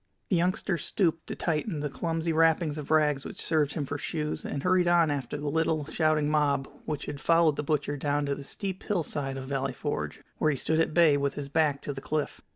The youngster stooped to tighten the clumsy wrappings of rags which served him for shoes, and hurried on after the little, shouting mob which had followed the butcher down to the steep hillside of Valley Forge, where he stood at bay with his back to the cliff.